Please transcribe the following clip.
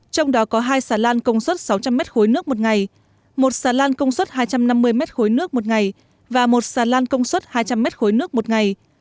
trong đó có hai xà lan công suất sáu trăm linh mét khối nước một ngày một xà lan công suất hai trăm năm mươi mét khối nước một ngày và một xà lan công suất hai trăm linh m ba nước một ngày